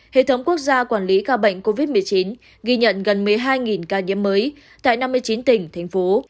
hệ thống quốc gia quản lý ca bệnh covid một mươi chín ghi nhận gần một mươi hai ca nhiễm mới tại năm mươi chín tỉnh thành phố